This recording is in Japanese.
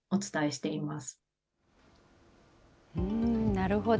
なるほど。